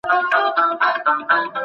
له کورنۍ پرته د ژوند خوند نه اخیستل کېږي.